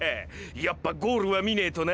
やっぱゴールは見ねェとな！！